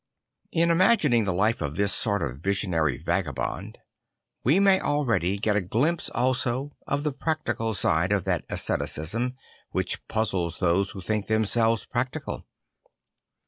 In imagining the life of this sort of visionary vagabond, we may already get a glimpse also of the practical side of that asceticism which puzzles those who think themsel ves practical.